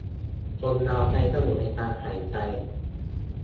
คนเราใช้จมูกในการหายใจ